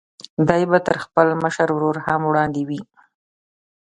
دی به تر خپل مشر ورور هم وړاندې وي.